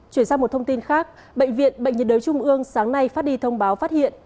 chuyển sang một thông tin khác bệnh viện bệnh nhiệt đới trung ương sáng nay phát đi thông báo phát hiện